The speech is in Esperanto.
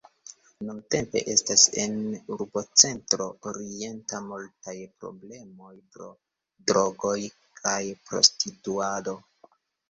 Nuntempe estas en Urbocentro Orienta multaj problemoj pro drogoj kaj prostituado.